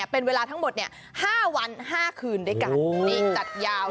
เป็นเวลาทั้งหมด๕วัน๕กลางคืนด้วยกัน